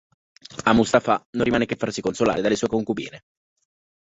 A Mustafà non rimane che farsi consolare dalle sue concubine.